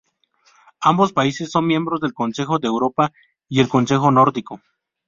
Ambos países son miembros del Consejo de Europa y el Consejo Nórdico.